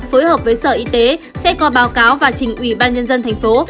phối hợp với sở y tế sẽ có báo cáo và trình ủy ban nhân dân thành phố